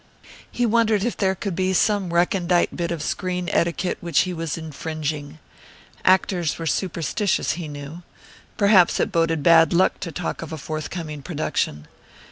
He wondered if there could be some recondite bit of screen etiquette which he was infringing. Actors were superstitious, he knew. Perhaps it boded bad luck to talk of a forthcoming production.